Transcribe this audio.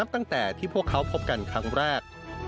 การพบกันในวันนี้ปิดท้ายด้วยการร่วมรับประทานอาหารค่ำร่วมกัน